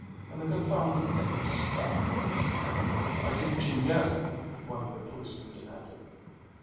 And the confounded thing stuck." "Why didn't you yell?" one of the policemen demanded.